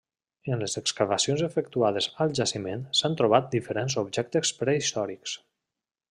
En les excavacions efectuades al jaciment s'han trobat diferents objectes prehistòrics.